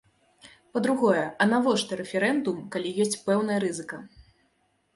Па-другое, а навошта рэферэндум, калі ёсць пэўная рызыка.